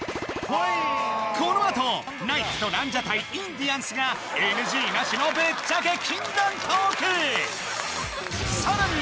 このあとナイツとランジャタイインディアンスがＮＧなしのぶっちゃけ禁断トークさらに！